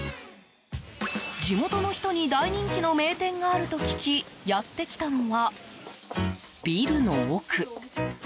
地元の人に大人気の名店があると聞きやってきたのはビルの奥。